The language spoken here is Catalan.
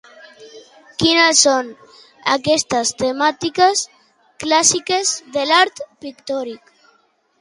Quines són aquestes temàtiques clàssiques de l'art pictòric?